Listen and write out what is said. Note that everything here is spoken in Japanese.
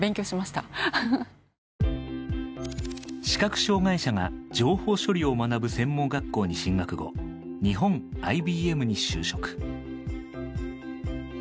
視覚障害者が情報処理を学ぶ専門学校に進学後日本ＩＢＭに就職。